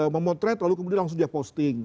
memotret lalu kemudian langsung dia posting